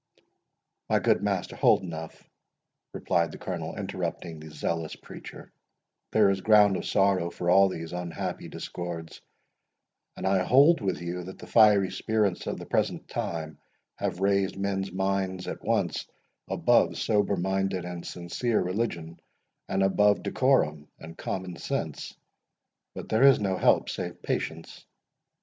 "My good Master Holdenough," replied the Colonel, interrupting the zealous preacher, "there is ground of sorrow for all these unhappy discords; and I hold with you, that the fiery spirits of the present time have raised men's minds at once above sober minded and sincere religion, and above decorum and common sense. But there is no help save patience.